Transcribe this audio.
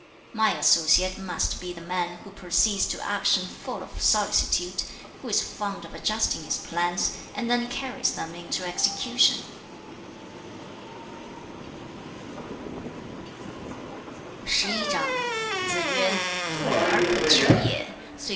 My associate must be the man who proceeds to action full of solicitude, who is fond of adjusting his plans, and then carries them into execution.'